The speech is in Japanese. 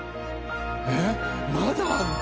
えっまだあるの？